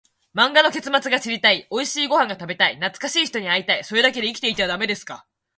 漫画の結末が知りたい、おいしいご飯が食べたい、懐かしい人に会いたい、それだけで生きていてはダメですか？